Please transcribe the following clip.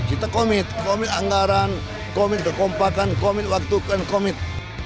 kita komit komit anggaran komit bekompakan komit waktu komit